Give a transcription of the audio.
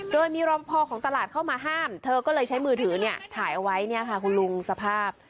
โดยมีรอมพอของตลาดเข้ามาห้ามเธอก็เลยใช้มือถือเนี่ยถ่ายเอาไว้เนี่ยค่ะคุณลุงสภาพ